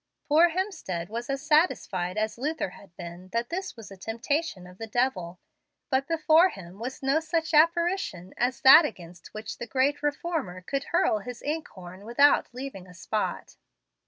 Poor Hemstead was as satisfied as Luther had been that this was a temptation of the devil; but before him was no such apparition as that against which the great reformer could hurl his ink horn without leaving a spot.